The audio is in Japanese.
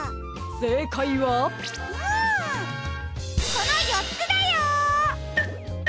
このよっつだよ！